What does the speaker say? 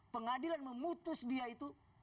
pengadilan memutus dia itu